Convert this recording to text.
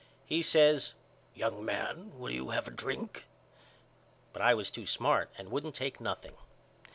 He says Young man will you have a drink? But I was to smart and wouldn't take nothing.